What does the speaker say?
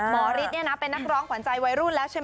ฤทธิ์เป็นนักร้องขวัญใจวัยรุ่นแล้วใช่ไหม